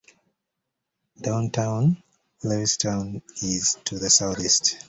Downtown Lewistown is to the southeast.